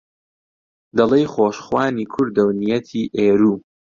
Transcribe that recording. دەڵێی خۆشخوانی کوردە و نیەتی ئێروو